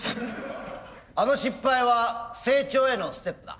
あの失敗は成長へのステップだ。